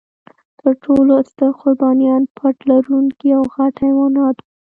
تر ټولو ستر قربانیان پت لرونکي او غټ حیوانات و.